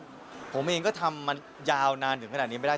เพราะว่าผมเองก็ทำมันยาวนานถึงขนาดนี้ไปได้